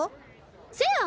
せや！